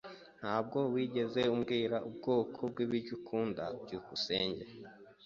Ntabwo wigeze umbwira ubwoko bwibiryo udakunda. byukusenge